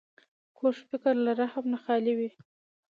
کوږ فکر له رحم نه خالي وي